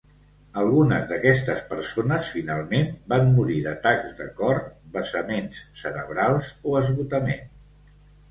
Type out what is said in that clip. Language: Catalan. Algunes d'aquestes persones finalment van morir d'atacs de cor, vessaments cerebrals o esgotament.